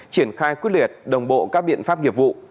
triển khai quyết liệt đồng bộ các biện pháp nghiệp vụ